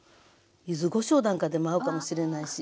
柚子こしょうなんかでも合うかもしれないし。